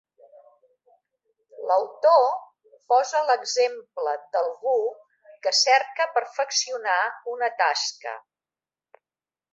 L'autor posa l'exemple d'algú que cerca perfeccionar una tasca.